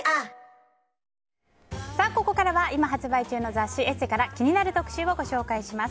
ここからは今発売中の雑誌「ＥＳＳＥ」から気になる特集をご紹介します。